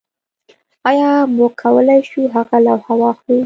ایا موږ کولی شو هغه لوحه واخلو